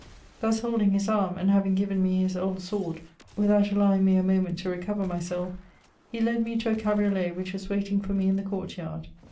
Thus holding his arm, and having given me his old sword, without allowing me a moment to recover myself, he led me to a cabriolet which was waiting for me in the court yard.